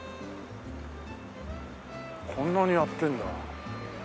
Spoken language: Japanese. こんなにやってんだ。